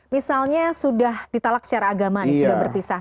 misalnya sudah ditalak secara agama sudah berpisah